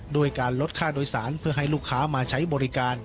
ด้วยการลดค่าโดยสารเพื่อให้ลูกค้ามาใช้บริการ